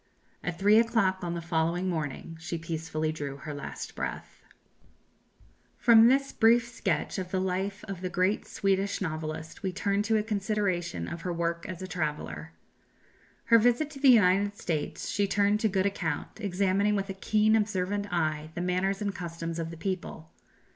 At three o'clock on the following morning, she peacefully drew her last breath. From this brief sketch of the life of the great Swedish novelist, we turn to a consideration of her work as a traveller. Her visit to the United States she turned to good account, examining with a keen observant eye the manners and customs of the people.